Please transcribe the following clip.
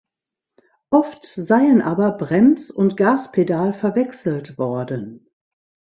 Oft seien aber Brems- und Gaspedal verwechselt worden.